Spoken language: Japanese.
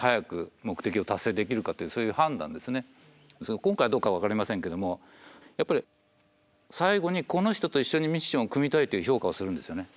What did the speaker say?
今回どうか分かりませんけども最後にこの人と一緒にミッションを組みたいという評価をするんですよね。